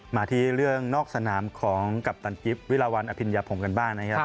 มาที่เรื่องนอกสนามของกัปตันกิฟต์วิลาวันอภิญญาพงศ์กันบ้างนะครับ